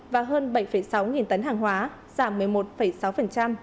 và hơn bảy sáu nghìn tấn hàng hóa giảm một mươi một sáu